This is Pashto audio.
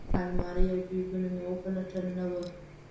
المارۍ او جیبونه مې وپلټل نه وه.